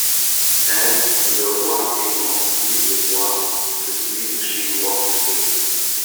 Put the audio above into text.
Add Le Roi Est Mort Vive Le Roi to The Sleep Machine Waterscapes